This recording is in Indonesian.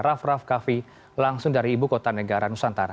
raff raff kaffi langsung dari ibu kota negara nusantara